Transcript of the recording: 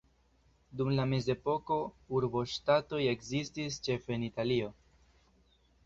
Dum la mezepoko urboŝtatoj ekzistis ĉefe en Italio.